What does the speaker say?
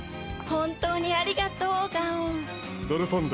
本当にありがとうガオン。